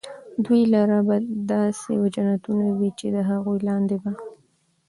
دوى لره به داسي جنتونه وي چي د هغو لاندي به